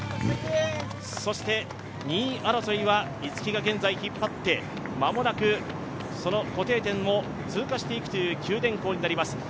そして２位争いは逸木が現在引っ張って固定点を通過していくという九電工になります。